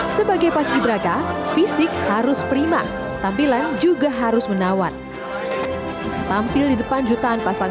sebagai paski braka fisik harus prima tampilan juga harus menawan tampil di depan jutaan pasang